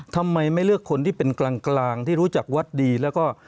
ทำไมไม่เลือกคนที่เป็นกลางที่รู้จักวัดดีแล้วก็